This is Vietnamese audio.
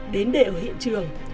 đến để ở hiện trường